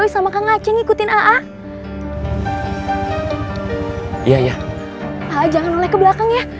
sampai jumpa lagi